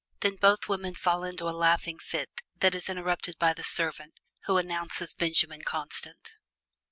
Then both women fall into a laughing fit that is interrupted by the servant, who announces Benjamin Constant.